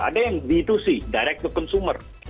ada yang b dua c direct to consumer